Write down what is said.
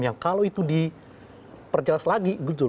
yang kalau itu diperjelas lagi